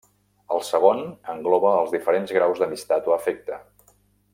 El segon engloba els diferents graus d'amistat o afecte.